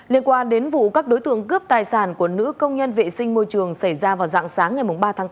liên quan đến vụ các đối tượng cướp tài sản của nữ công nhân vệ sinh môi trường xảy ra vào dạng sáng ngày ba tháng tám